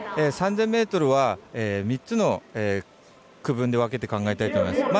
３０００ｍは３つの区分で分けて考えたいと思います。